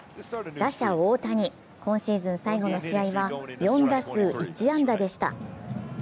打者・大谷、今シーズン最後の試合は４打数１安打でした。